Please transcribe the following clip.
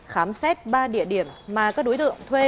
khám xét ba địa điểm mà các đối tượng thuê